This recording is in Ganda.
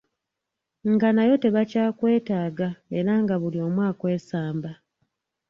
Nga nayo tebakyakwetaaga era nga buli omu akwesamba.